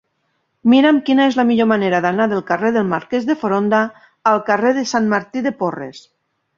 Mira'm quina és la millor manera d'anar del carrer del Marquès de Foronda al carrer de Sant Martí de Porres.